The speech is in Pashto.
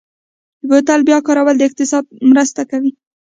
بوتل بیا کارونه د اقتصاد مرسته کوي.